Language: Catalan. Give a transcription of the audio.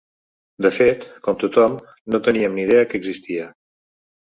De fet, com tothom, no teníem ni idea que existia.